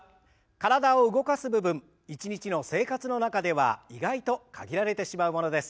体を動かす部分一日の生活の中では意外と限られてしまうものです。